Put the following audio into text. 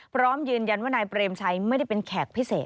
พร้อมยืนยันว่านายเปรมชัยไม่ได้เป็นแขกพิเศษ